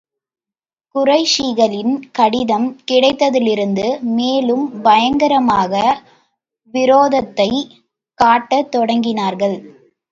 குறைஷிகளின் கடிதம் கிடைத்ததிலிருந்து மேலும் பகிரங்கமாக விரோதத்தைக் காட்டத் தொடங்கினார்கள்.